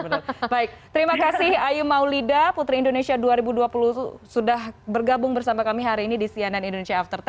baik terima kasih ayu maulida putri indonesia dua ribu dua puluh sudah bergabung bersama kami hari ini di cnn indonesia after sepuluh